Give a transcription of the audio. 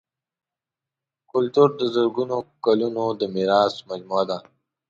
کلتور د زرګونو کلونو د میراث مجموعه ده.